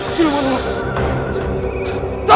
jangan bunuh saya